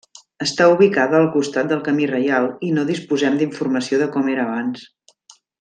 Està ubicada al costat del camí reial i no disposem d'informació de com era abans.